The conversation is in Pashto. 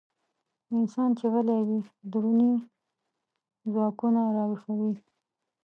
انسان چې غلی وي، دروني ځواکونه راويښوي.